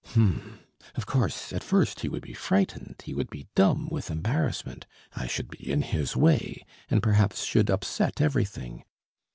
H'm!... Of course at first he would be frightened, he would be dumb with embarrassment.... I should be in his way, and perhaps should upset everything.